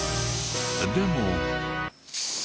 でも。